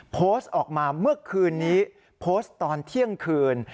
โพสต์ออกมาเมื่อคืนนี้โพสต์ตอนเที่ยงคืน